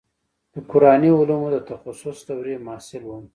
د قراني علومو د تخصص دورې محصل وم.